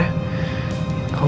kamu gak apa apa